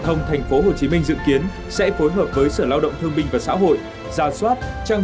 thông thành phố hồ chí minh dự kiến sẽ phối hợp với sở lao động thông minh và xã hội gia soát trang